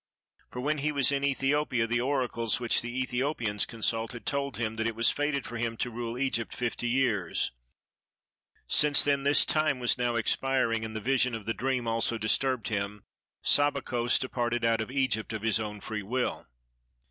For when he was in Ethiopia the Oracles which the Ethiopians consult had told him that it was fated for him to rule Egypt fifty years: since then this time was now expiring, and the vision of the dream also disturbed him, Sabacos departed out of Egypt of his own free will.